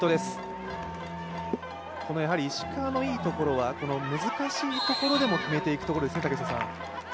石川のいいところは難しいところでも決めていくところですよね。